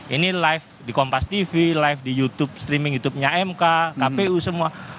ini live di kompas tv live di youtube streaming youtubenya mk kpu semua